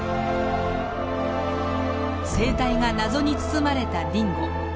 生態が謎に包まれたディンゴ。